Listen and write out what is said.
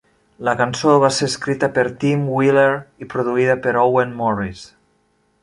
La cançó va ser escrita per Tim Wheeler i produïda per Owen Morris.